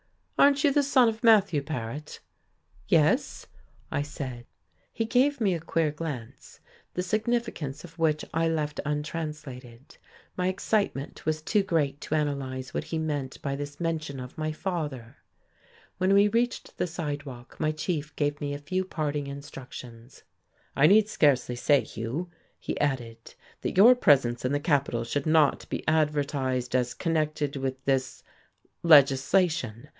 "Aren't you the son of Matthew Paret?" "Yes," I said. He gave me a queer glance, the significance of which I left untranslated. My excitement was too great to analyze what he meant by this mention of my father.... When we reached the sidewalk my chief gave me a few parting instructions. "I need scarcely say, Hugh," he added, "that your presence in the capital should not be advertised as connected with this legislation.